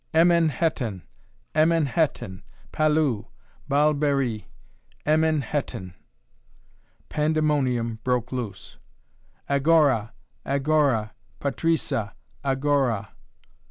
"Emen Hetan! Emen Hetan! Palu! Baalberi! Emen Hetan!" Pandemonium broke loose. "Agora! Agora! Patrisa! Agora!"